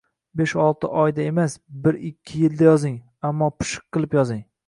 Besh-olti oyda emas, bir-ikki yilda yozing, ammo pishiq qilib yozing.